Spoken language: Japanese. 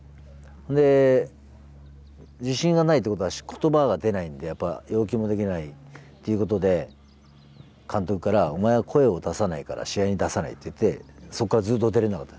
で自信がないってことは言葉が出ないんで要求もできないっていうことで監督から「お前は声を出さないから試合に出さない」っていってそこからずっと出れなかったです。